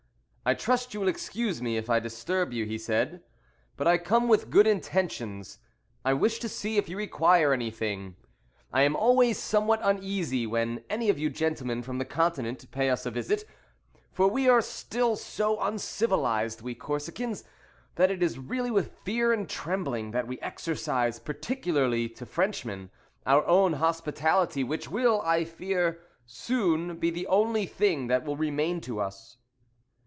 "I trust you will excuse me if I disturb you," he said; "but I come with good intentions. I wish to see if you require anything. I am always somewhat uneasy when any of you gentlemen from the continent pay us a visit, for we are still so uncivilized, we Corsicans, that it is really with fear and trembling that we exercise, particularly to Frenchmen, our own hospitality, which will, I fear, soon be the only thing that will remain to us."